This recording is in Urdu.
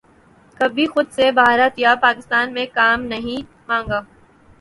کبھی خود سے بھارت یا پاکستان میں کام نہیں مانگا